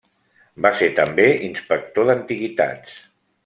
Va ser també inspector d'antiguitats.